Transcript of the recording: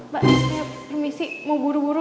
pak saya permisi mau buru buru